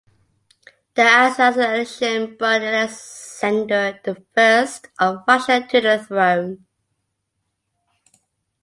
The assassination brought Alexander the First of Russia to the throne.